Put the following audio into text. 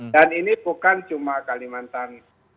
dan ini bukan cuma kalimantan